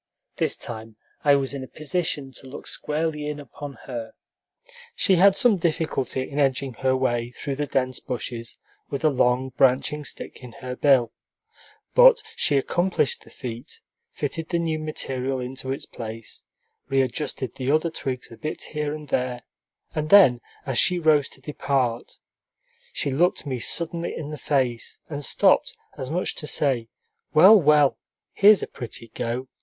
This time I was in a position to look squarely in upon her. She had some difficulty in edging her way through the dense bushes with a long, branching stick in her bill; but she accomplished the feat, fitted the new material into its place, readjusted the other twigs a bit here and there, and then, as she rose to depart, she looked me suddenly in the face and stopped, as much as to say, "Well, well! here's a pretty go!